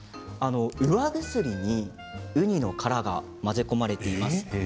釉薬にウニの殻が混ぜ込まれています。